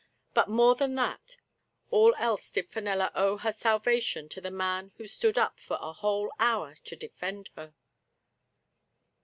But more than all else did Fenella owe her sal vation to the man who stood up for a whole hour to defend her.